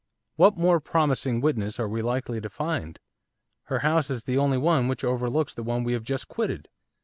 What more promising witness are we likely to find? her house is the only one which overlooks the one we have just quitted.